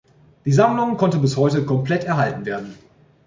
Die Sammlung konnte bis heute komplett erhalten werden.